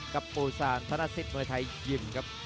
กับปูซานทะนะสิดมวยไทยเยี่ยมครับ